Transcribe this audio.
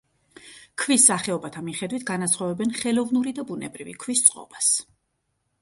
ქვის სახეობათა მიხედვით განასხვავებენ ხელოვნური და ბუნებრივი ქვის წყობას.